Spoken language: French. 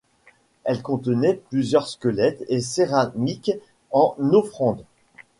Elle contenait plusieurs squelettes et céramiques en offrande.